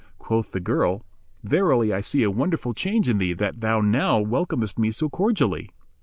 Quoth the girl, "Verily I see a wonderful change in thee, that thou now welcomest me so cordially!"